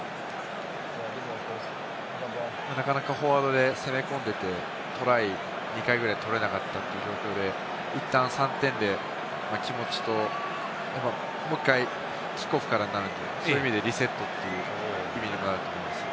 なかなかフォワードで攻め込んでいってトライ２回ぐらい取れなかったということで、いったん３点で気持ちともう１回キックオフからになるので、そういう意味でリセットという意味だと思います。